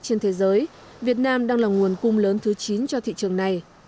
trên thế giới việt nam đang là nguồn cung lớn thứ chín cho thị trường này